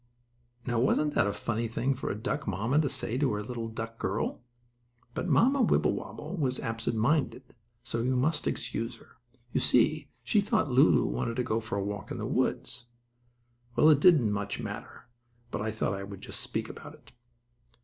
Now wasn't that a funny thing for a duck mamma to say to her little duck girl? But Mamma Wibblewobble was absent minded, so we must excuse her. You see she thought Lulu wanted to go for a walk in the woods. Well, it didn't much matter, but I thought I would speak about it.